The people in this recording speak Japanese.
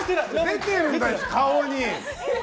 出てるんだよ、顔に！